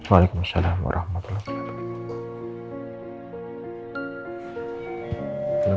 waalaikumsalam warahmatullahi wabarakatuh